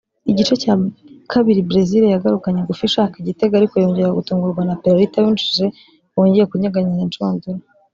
Igice cya kabiri Brezil yagarukanye ingufu ishaka igitego ariko yongera gutungurwa na Peralta winjije wongeye kunyeganyeza incundura